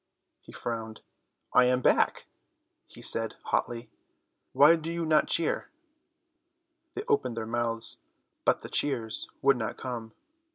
He frowned. "I am back," he said hotly, "why do you not cheer?" They opened their mouths, but the cheers would not come.